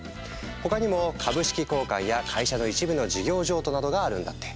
他にも「株式交換」や「会社の一部の事業譲渡」などがあるんだって。